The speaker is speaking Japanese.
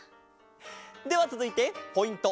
ではつづいてポイント